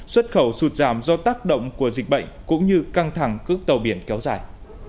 xuất khẩu sụt giảm do tác động của dịch bệnh cũng như căng thẳng cước tàu biển kéo dài